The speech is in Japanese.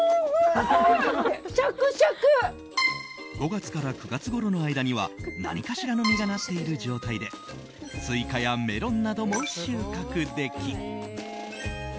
５月から９月ごろの間には何かしらの実がなっている状態でスイカやメロンなども収穫でき